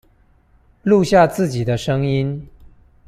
錄下自己的聲音